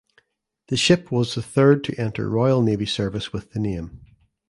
The ship was the third to enter Royal Navy service with the name.